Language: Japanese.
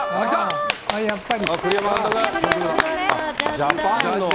やっぱり。